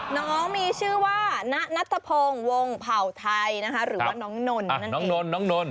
น้องมีชื่อว่าณนัตพงวงเผ่าไทยหรือว่าน้องนน